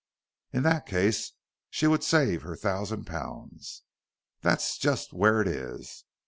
"In that case she would save her thousand pounds." "That's just where it is.